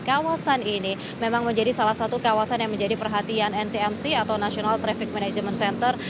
kawasan ini memang menjadi salah satu kawasan yang menjadi perhatian ntmc atau national traffic management center